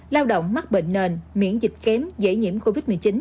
lao động mắc bệnh nền miễn dịch kém dễ nhiễm covid một mươi chín